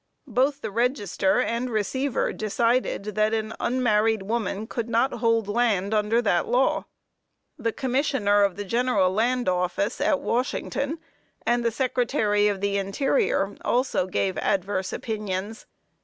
Both the Register and Receiver decided that an unmarried woman could not hold land under that law. The Commissioner of the General Land Office, at Washington, and the Secretary of the Interior, also gave adverse opinions.